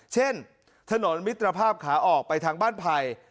เช่นถนนมิตรภาพขาออกไปทางบ้านไผ่